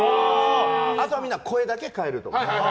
あとはみんな声だけ変えると。